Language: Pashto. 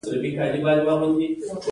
د بزګرانو د کاري وسایلو طریقې زیاتې شوې.